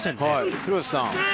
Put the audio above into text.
廣瀬さん。